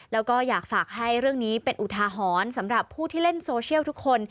แล้วก็อยากฝากให้เรื่องนี้เป็นอุทาหรณ์สำหรับผู้ที่เล่นโซเชียลทุกคน